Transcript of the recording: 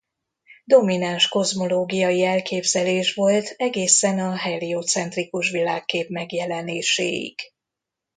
Domináns kozmológiai elképzelés volt egészen a heliocentrikus világkép megjelenéséig.